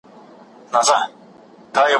هوا اوس په تدرېج سره سړېږي.